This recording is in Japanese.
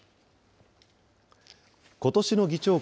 ことしの議長国